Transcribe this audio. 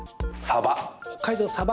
北海道、サバ。